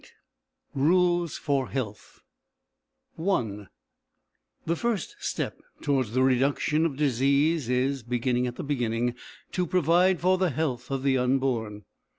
] RULES FOR HEALTH I The first step towards the reduction of disease is, beginning at the beginning, to provide for the health of the unborn.